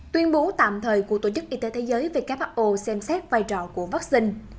tuyên bố tạm thời của tổ chức y tế thế giới who xem xét vai trò của vaccine